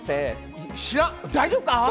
大丈夫か？